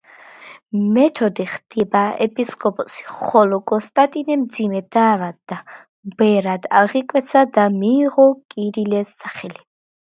მეთოდე ხდება ეპისკოპოსი, ხოლო კონსტანტინე მძიმედ დაავადდა, ბერად აღიკვეცა, და მიიღო კირილეს სახელი.